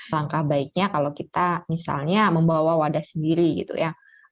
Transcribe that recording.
langkah baiknya kalau kita misalnya membawa wadah sendiri gitu ya